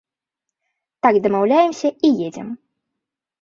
Так дамаўляемся і едзем.